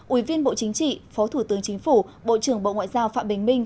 ủy viên bộ chính trị phó thủ tướng chính phủ bộ trưởng bộ ngoại giao phạm bình minh